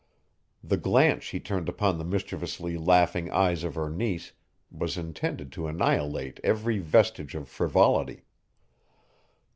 The glance she turned upon the mischievously laughing eyes of her niece was intended to annihilate every vestige of frivolity.